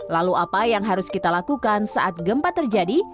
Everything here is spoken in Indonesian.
lalu apa yang harus kita lakukan saat gempa terjadi